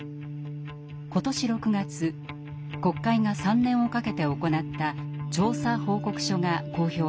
今年６月国会が３年をかけて行った調査報告書が公表されました。